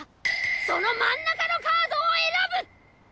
その真ん中のカードを選ぶ！